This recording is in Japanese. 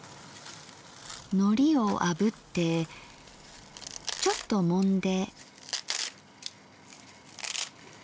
のりをあぶってちょっともんで。